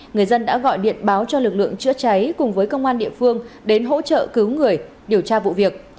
người dân đã gọi điện báo cho lực lượng chữa cháy cùng với công an địa phương đến hỗ trợ cứu người điều tra vụ việc